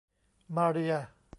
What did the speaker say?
มาเรีย